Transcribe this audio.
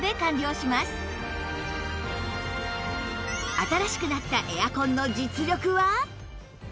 新しくなったエアコンの実力は？